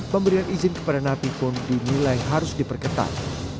pemberian izin kepada napi pun dinilai harus diperketat